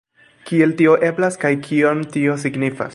Kiel tio eblas, kaj kion tio signifas?